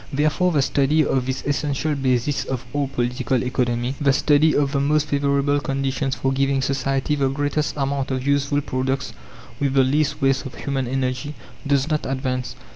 Therefore the study of this essential basis of all Political Economy, _the study of the most favourable conditions for giving society the greatest amount of useful products with the least waste of human energy_, does not advance.